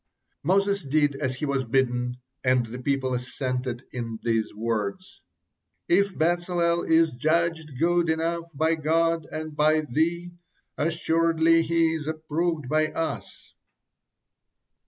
Moses did as he was bidden, and the people assented in these words: "If Bezalel is judged good enough by God and by thee, assuredly he is approved by us."